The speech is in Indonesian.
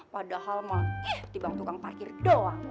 padahal mah dibang tukang parkir doang